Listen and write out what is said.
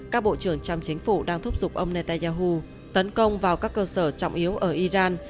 các bộ trưởng trong chính phủ đang thúc giục ông netanyahu tấn công vào các cơ sở trọng yếu ở iran